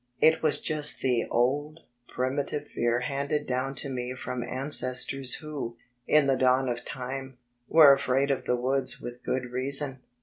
It was just the old, primitive fear handed down to me from ancestors who, in the dawn of time, were afraid of the woods with good reason.